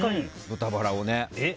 豚バラを。